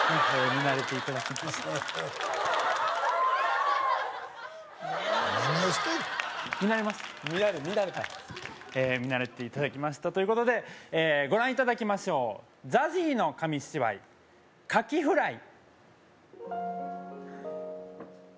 見慣れた見慣れた見慣れていただきましたということでご覧いただきましょうＺＡＺＹの紙芝居「カキフライ」